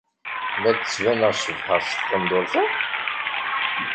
La d-ttbaneɣ cebḥeɣ s tqendurt-a?